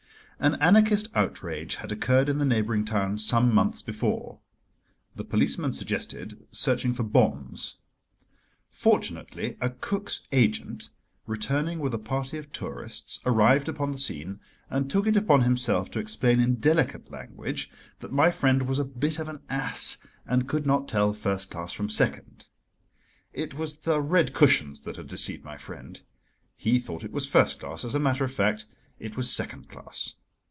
An Anarchist outrage had occurred in the neighbouring town some months before. The policeman suggested searching for bombs. Fortunately, a Cook's agent, returning with a party of tourists, arrived upon the scene, and took it upon himself to explain in delicate language that my friend was a bit of an ass and could not tell first class from second. It was the red cushions that had deceived my friend: he thought it was first class, as a matter of fact it was second class.